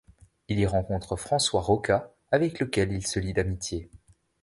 Il y rencontre François Roca, avec lequel il se lie d'amitié.